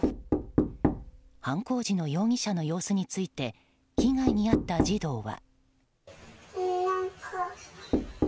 犯行時の容疑者の様子について被害に遭った児童は。